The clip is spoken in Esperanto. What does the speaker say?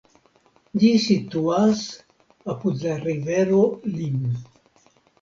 Ĝi situas apud la rivero Lim.